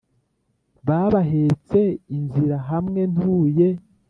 babahetse inzira hamwe ntuye